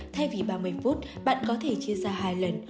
thay vì ba mươi phút bạn có thể chia ra hai lần